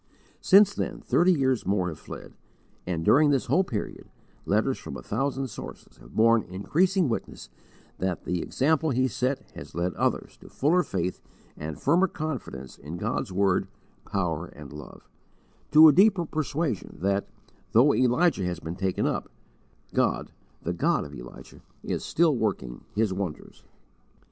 Since then thirty years more have fled, and, during this whole period, letters from a thousand sources have borne increasing witness that the example he set has led others to fuller faith and firmer confidence in God's word, power, and love; to a deeper persuasion that, though Elijah has been taken up, God, the God of Elijah, is still working His wonders.